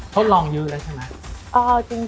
ทดลองยื้อแล้วใช่ไหม